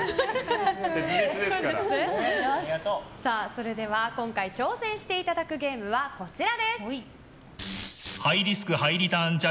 それでは今回挑戦していただくゲームはこちらです。